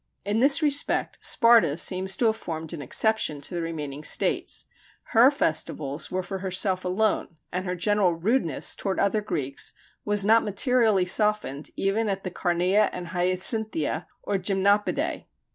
In this respect Sparta seems to have formed an exception to the remaining states. Her festivals were for herself alone, and her general rudeness toward other Greeks was not materially softened even at the Carneia and Hyacinthia, or Gymnopædiæ.